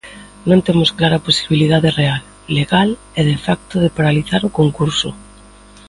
Non temos clara a posibilidade real, legal e de facto de paralizar o concurso.